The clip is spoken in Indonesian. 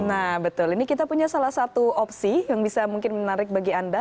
nah betul ini kita punya salah satu opsi yang bisa mungkin menarik bagi anda